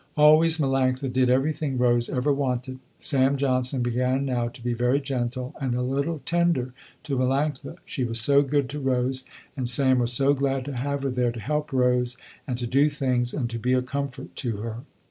Always Melanctha did everything Rose ever wanted. Sam Johnson began now to be very gentle and a little tender to Melanctha. She was so good to Rose and Sam was so glad to have her there to help Rose and to do things and to be a comfort to her.